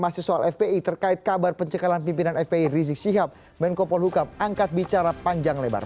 masih soal fpi terkait kabar pencekalan pimpinan fpi rizik syihab menko polhukam angkat bicara panjang lebar